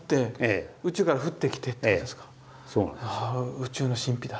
宇宙の神秘だ。